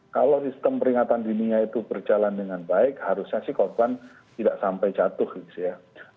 kalau sistem peringatan dininya itu berjalan dengan baik harusnya sih korban tidak sampai jatuh gitu ya